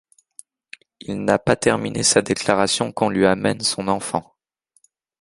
Il n’a pas terminé sa déclaration qu’on lui amène son enfant.